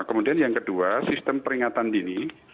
kemudian yang kedua sistem peringatan dini